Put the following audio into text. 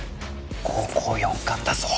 高校４冠だぞ！